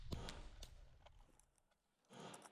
It was sometimes even called "German Puseyism".